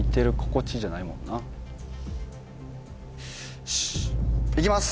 よしいきます！